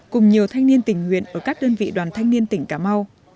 cùng nhiều thanh niên tình nguyện ở các đơn vị đoàn thanh niên tỉnh cà mau